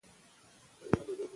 عدالت امکان لري.